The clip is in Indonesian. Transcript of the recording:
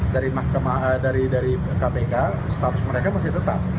dari kpk status mereka masih tetap